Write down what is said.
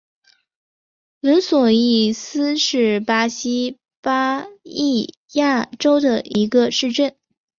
伦索伊斯是巴西巴伊亚州的一个市镇。